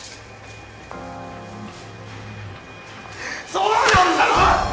そうなんだろ！！